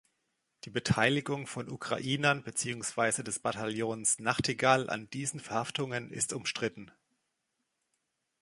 Die Beteiligung von Ukrainern beziehungsweise des Bataillons Nachtigall an diesen Verhaftungen ist umstritten.